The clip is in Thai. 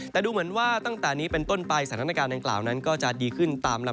แต่ดูเหมือนว่าตั้งแต่นี้เป็นต้นไปสถานการณ์ดังกล่าวนั้นก็จะดีขึ้นตามลำ